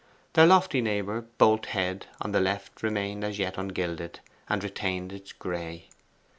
Their lofty neighbour Bolt Head on the left remained as yet ungilded, and retained its gray.